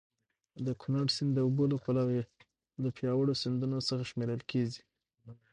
د کونړ سیند د اوبو له پلوه یو له پیاوړو سیندونو څخه شمېرل کېږي.